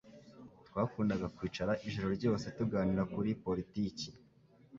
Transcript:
Twakundaga kwicara ijoro ryose tuganira kuri politiki.